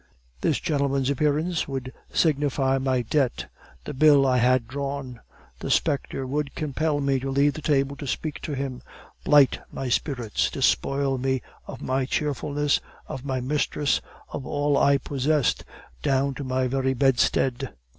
This gentleman's appearance would signify my debt, the bill I had drawn; the spectre would compel me to leave the table to speak to him, blight my spirits, despoil me of my cheerfulness, of my mistress, of all I possessed, down to my very bedstead.